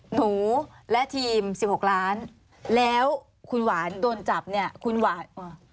หนูและทีม๑๖ล้านแล้วคุณหวานโดนจับเนี่ยคุณหวาน